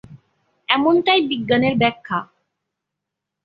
এমনটাই বিজ্ঞানের ব্যাখ্যা।